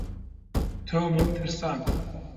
تۆمم ترساند.